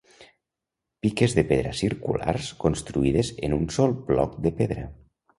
Piques de pedra circulars, construïdes en un sol bloc de pedra.